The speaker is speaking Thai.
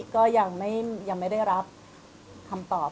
ก็ยังไม่ได้รับคำตอบ